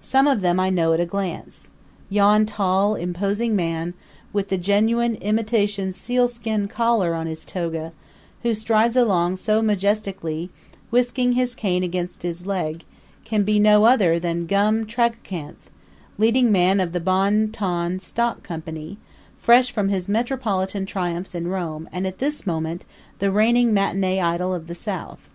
Some of them I know at a glance. Yon tall, imposing man, with the genuine imitation sealskin collar on his toga, who strides along so majestically, whisking his cane against his leg, can be no other than Gum Tragacanth, leading man of the Bon Ton Stock Company, fresh from his metropolitan triumphs in Rome and at this moment the reigning matinee idol of the South.